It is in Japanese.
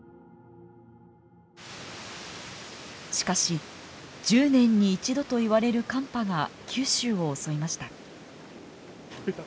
しかし１０年に一度といわれる寒波が九州を襲いました。